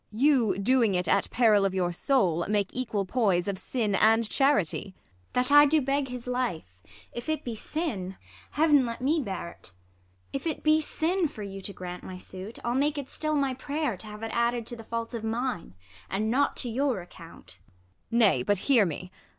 Ang. You doing it at peril of your soul, THE LAW AGAINST LOVERS. 147 Make equal poize of sin and charity. IsAB. That I do beg his life, if it be sin, Heav'n let me bear't. If it be sin for you To grant my suit, I'll make it still my prayer To have it added to the faults of mine, And not to your account. Ang. Nay, but hear me